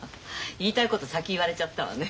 言いたいこと先言われちゃったわね。